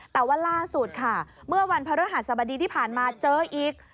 แต่ว่าล่าสุดค่ะเมื่อวันพระฤหัสบดีที่ผ่านมาเจออีก